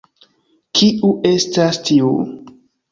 Kiu estas tiu?